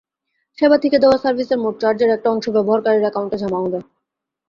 সেবা থেকে দেওয়া সার্ভিসের মোট চার্জের একটা অংশ ব্যবহারকারীর অ্যাকাউন্টে জমা হবে।